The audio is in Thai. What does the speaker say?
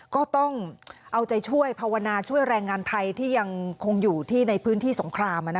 ก็ต้องเอาใจช่วยภาวนาช่วยแรงงานไทยที่ยังคงอยู่ที่ในพื้นที่สงคราม